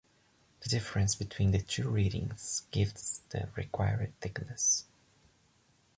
The difference between the two readings gives the required thickness.